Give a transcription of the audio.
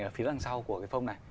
ở phía đằng sau của cái phông này